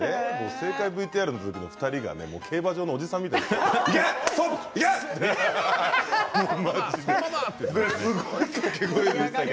正解ＶＴＲのお二人が競馬場のおじさんみたいでしたね。